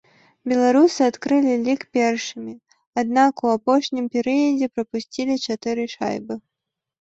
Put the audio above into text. Беларусы адкрылі лік першымі, аднак у апошнім перыядзе прапусцілі чатыры шайбы.